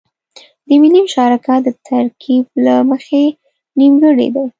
د ملي مشارکت د ترکيب له مخې نيمګړی دی.